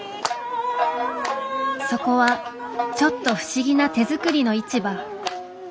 そこはちょっと不思議な手作りの市場。